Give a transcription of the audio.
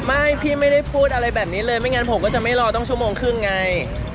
ไม่พี่ไม่ได้พูดอะไรแบบนี้เลยไม่งั้นผมก็จะไม่รอต้องชั่วโมงครึ่งไง